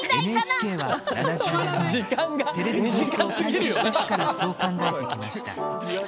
ＮＨＫは、７０年前テレビ放送を開始した日からそう考えてきました。